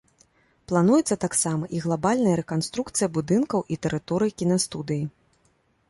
Плануецца таксама і глабальная рэканструкцыя будынкаў і тэрыторый кінастудыі.